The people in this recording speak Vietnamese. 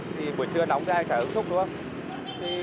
thì buổi trưa nóng ra chả hứng xúc đúng không